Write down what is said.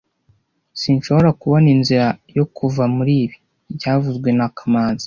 Sinshobora kubona inzira yo kuva muri ibi byavuzwe na kamanzi